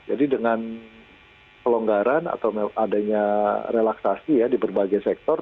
jadi dengan pelonggaran atau adanya relaksasi di berbagai sektor